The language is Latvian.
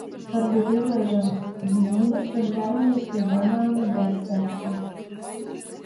Varbūt izlaižam vīnus un ķeramies pie banānu deserta?